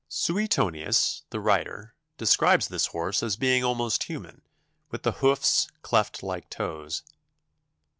Suetonius, the writer, describes this horse as being almost human, with the hoofs cleft like toes.